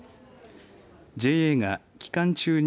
ＪＡが期間中に